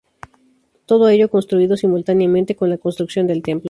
Todo ello construido simultáneamente con la construcción del templo.